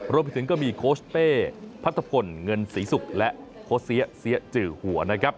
รวมถึงก็มีโค้ชเป้พัทธพลเงินศรีศุกร์และโค้ชเซี๊ยเซี๊ยจือหัว